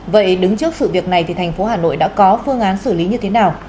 vậy đứng trước sự việc này thì thành phố hà nội đã có phương án xử lý như thế nào